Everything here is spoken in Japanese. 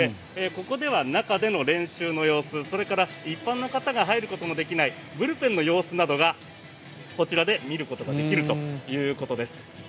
ここでは中での練習の様子それから一般の方が入ることができないブルペンの様子などをこちらで見ることができるということです。